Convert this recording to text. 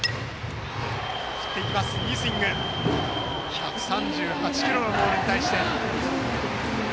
１３８キロのボールに対してフルスイング。